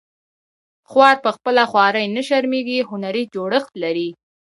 خوار په خپله خواري نه شرمیږي هنري جوړښت لري